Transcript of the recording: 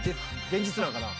現実なんかな？